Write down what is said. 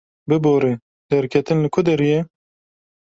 Bibore, derketin li ku derê ye?